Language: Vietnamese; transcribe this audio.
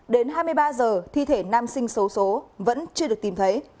đến hai mươi ba h thi thể nam sinh xấu số vẫn chưa được tìm thấy